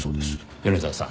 米沢さん。